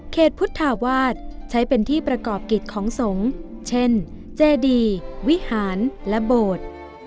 พุทธาวาสใช้เป็นที่ประกอบกิจของสงฆ์เช่นเจดีวิหารและโบสถ์